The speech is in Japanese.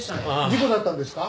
事故だったんですか？